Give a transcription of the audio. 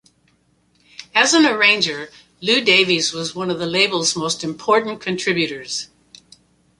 As an arranger, Lew Davies was one of the label's most important contributors.